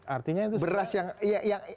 artinya itu beras yang